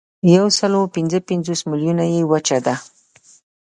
یوسلاوپینځهپنځوس میلیونه یې وچه ده.